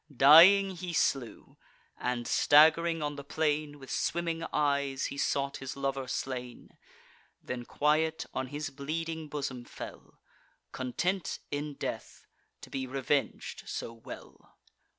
Dying, he slew; and, stagg'ring on the plain, With swimming eyes he sought his lover slain; Then quiet on his bleeding bosom fell, Content, in death, to be reveng'd so well.